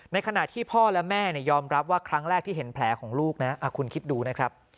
ในขณะที่พ่อและแม่ยอมรับว่าครั้งแรกที่เห็นแผลของลูกนะคุณคิดดูนะครับ